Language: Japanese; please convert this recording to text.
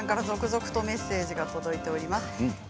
続々とメッセージが届いています。